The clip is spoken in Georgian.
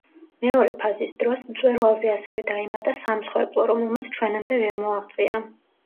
მეორე ფაზის დროს, მწვერვალზე ასევე დაემატა სამსხვერპლო, რომელმაც ჩვენამდე ვერ მოაღწია.